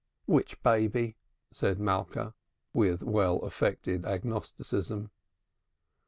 "Which baby?" said Malka, with well affected agnosticism.